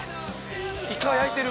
イカ焼いてる。